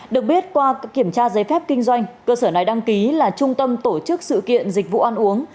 được biết qua kiểm tra giấy phép kinh doanh cơ sở này đăng ký là trung tâm tổ chức sự kiện dịch vụ ăn uống